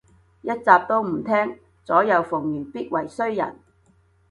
一集都唔聼，左右逢源必為衰人